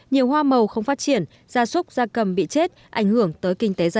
nhiều hoa màu không phát triển da súc da cầm bị chết ảnh hưởng tới kinh tế